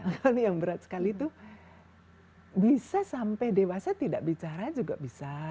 hal yang berat sekali itu bisa sampai dewasa tidak bicara juga bisa